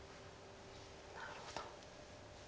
なるほど。